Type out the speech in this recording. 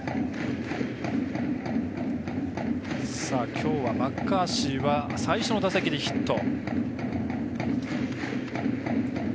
きょうはマッカーシーは最初の打席でヒット。